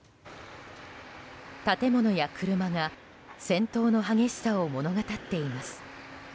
建物や車が戦闘の激しさを物語っています。